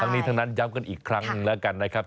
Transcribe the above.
ทั้งนี้ทั้งนั้นย้ำกันอีกครั้งแล้วกันนะครับ